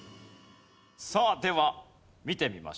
さあでは見てみましょう。